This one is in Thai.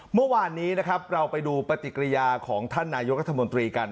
เมื่อวานนี้นะครับเราไปดูปฏิกิริยาของท่านนายกรัฐมนตรีกัน